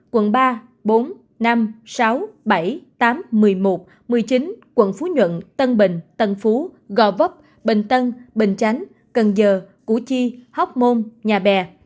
quận ba bốn năm sáu bảy tám một mươi một một mươi chín quận phú nhuận tân bình tân phú gò vấp bình tân bình chánh cần giờ củ chi hóc môn nhà bè